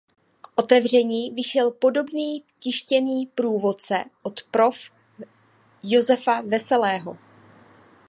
K otevření vyšel podrobný tištěný průvodce od prof. Josefa Veselého.